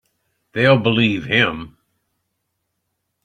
They'll believe him.